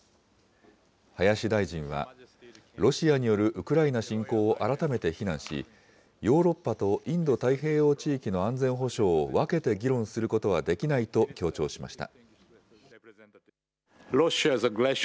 林大臣は、ロシアによるウクライナ侵攻を改めて非難し、ヨーロッパとインド太平洋地域の安全保障を分けて議論することはできないと強調しました。